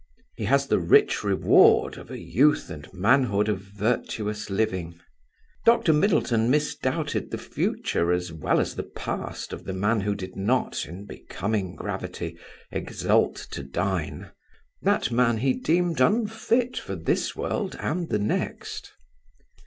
He has the rich reward of a youth and manhood of virtuous living. Dr. Middleton misdoubted the future as well as the past of the man who did not, in becoming gravity, exult to dine. That man he deemed unfit for this world and the next.